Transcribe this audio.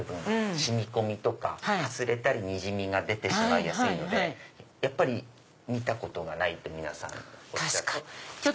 染み込みとかかすれたりにじみが出てしまいやすいのでやっぱり「見たことがない」って皆さんおっしゃって。